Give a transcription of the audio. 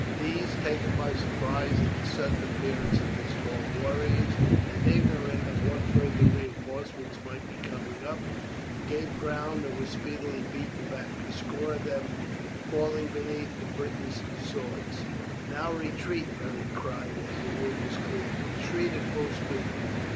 These, taken by surprise at the sudden appearance of these tall warriors, and ignorant of what further reinforcements might be coming up, gave ground, and were speedily beaten back, a score of them falling beneath the Britons' swords. "Now retreat!" Beric cried as the room was cleared; "retreat at full speed.